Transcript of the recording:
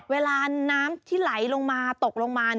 เวลาน้ำที่ไหลลงมาตกลงมา